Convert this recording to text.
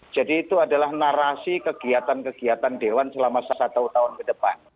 jadi itu adalah narasi kegiatan kegiatan dewan selama satu tahun ke depan